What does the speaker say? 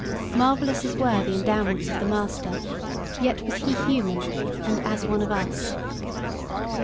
Marvellous as were the endowments of the master, yet was he human and as one of us.